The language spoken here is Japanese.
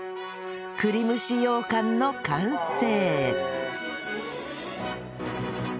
栗蒸しようかんの完成